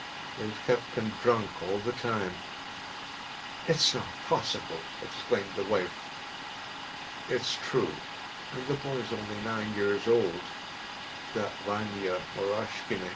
‚ÄĚ “They’ve kept him drunk all the time.‚ÄĚ “It’s not possible!‚ÄĚ exclaimed the wife. “It’s true. And the boy’s only nine years old, that Vania Moroshkine.